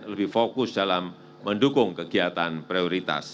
lebih fokus dalam mendukung kegiatan prioritas